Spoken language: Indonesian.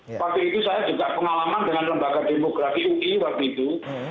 seperti itu saya juga pengalaman dengan lembaga demografi ui waktu itu